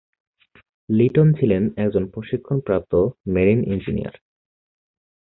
লিটন ছিলেন একজন প্রশিক্ষণ প্রাপ্ত মেরিন ইঞ্জিনিয়ার।